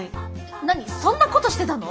何そんなことしてたの！？